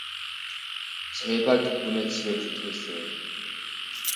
제발 덕분에 집에 붙어 있어요.